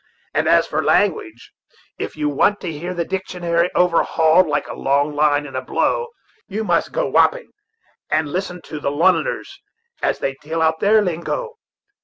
And as for language, if you want to hear the dictionary overhauled like a log line in a blow, you must go to Wapping and listen to the Lon'oners as they deal out their lingo.